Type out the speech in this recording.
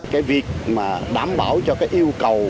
cái việc mà đảm bảo cho cái yêu cầu